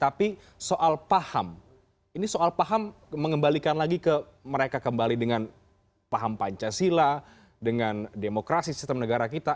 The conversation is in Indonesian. tapi soal paham ini soal paham mengembalikan lagi ke mereka kembali dengan paham pancasila dengan demokrasi sistem negara kita